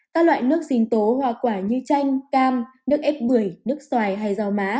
các loại nước sinh tố hoa quả như chanh cam nước ép bưởi nước xoài hay rau má